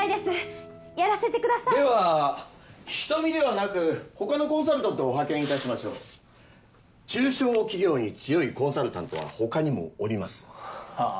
やらせてくださいでは人見ではなくほかのコンサルタントを派遣いたしましょう中小企業に強いコンサルタントはほかにもおりますはあ？